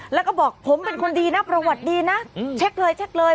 แล้วก็บอกผมเป็นคนดีน่ะประวัติดีน่ะเช็คเลย